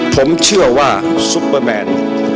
ผมเชื่อว่าซุปเปอร์แมน